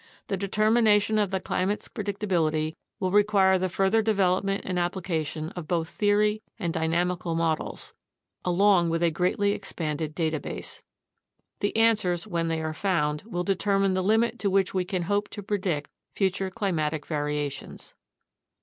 The determination of the climate's predictability will require the further development and application of both theory and dynamical models, along with a greatly expanded data base. The answers, when they are found, will determine the limit to which we can hope to predict future climatic variations.